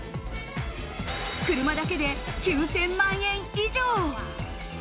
車だけで９０００万円以上。